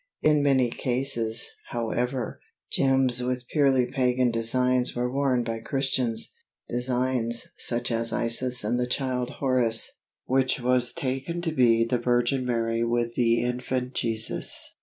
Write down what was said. In many cases, however, gems with purely pagan designs were worn by Christians, designs such as Isis with the child Horus, which was taken to be the Virgin Mary with the infant Jesus.